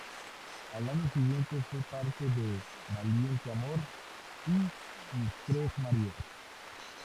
Al año siguiente fue parte de "Valiente amor" y "Mis tres Marías".